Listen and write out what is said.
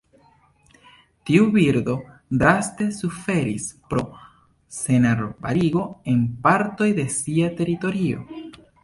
Tiu birdo draste suferis pro senarbarigo en partoj de sia teritorio.